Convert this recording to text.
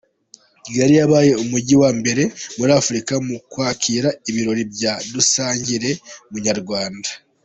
Kigali yabaye Umujyi wa mbere muri Afurika mu kwakira ibirori bya dusangire Munyarwanda